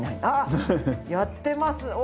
ああやってます。